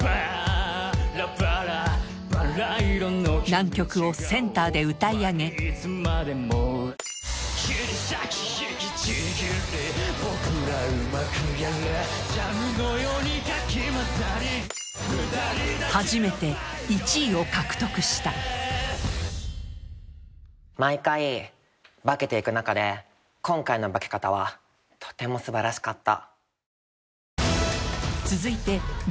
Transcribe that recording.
難曲をセンターで歌い上げ毎回化けていく中で今回の化け方はとても素晴らしかった。